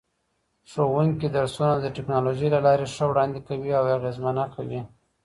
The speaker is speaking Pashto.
ښوونکي درسونه د ټکنالوژۍ له لارې ښه وړاندې کوي او اغېزمنه کوي.